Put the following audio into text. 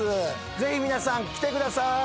ぜひ皆さん来てください。